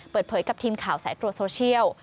เปิดเผยกับทีมข่าวสายตรวจโซเชียล